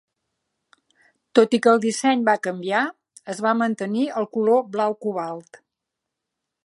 Tot i que el disseny va canviar, es va mantenir el color blau cobalt.